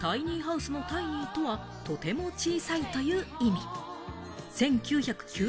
タイニーハウスの「タイニー」とは、「とても小さい」という意味。